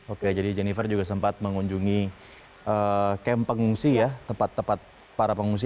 oke jadi jennifer juga sempat mengunjungi kamp pengungsi ya tempat tempat para pengungsi